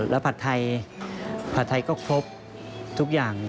แล้วผัดไทยผัดไทยก็ครบทุกอย่าง